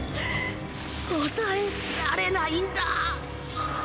抑えられないんだ！